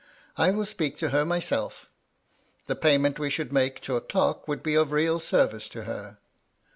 I will speak to her myself. The pay ment we should make to a clerk would be of real service to her